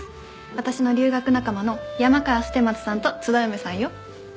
私の留学仲間の山川捨松さんと津田梅さんよ。